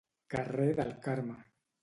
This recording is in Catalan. Carrer del Carme.